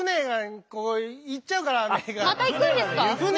また行くんですか？